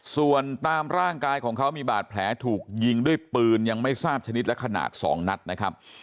ส่วนตามร่างกายของเขามีบาดแผลถูกยิงด้วยปืนยังไม่ทราบชนิดและขนาด๒นัดนะครับ